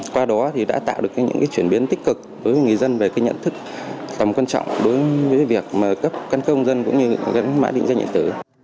qua đó thì đã tạo được những chuyển biến tích cực đối với người dân về cái nhận thức tầm quan trọng đối với việc cấp căn công dân cũng như gắn mã định danh điện tử